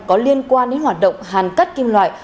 có liên quan đến hoạt động hàn cắt kim loại